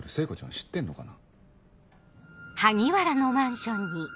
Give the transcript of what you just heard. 知ってんのかな？